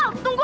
al tunggu al